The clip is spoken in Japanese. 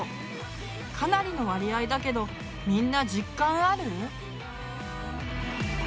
かなりの割合だけどみんな実感ある？